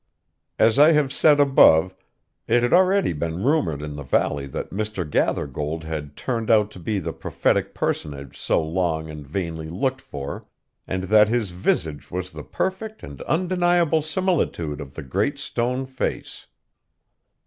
As I have said above, it had already been rumored in the valley that Mr. Gathergold had turned out to be the prophetic personage so long and vainly looked for, and that his visage was the perfect and undeniable similitude of the Great Stone Face.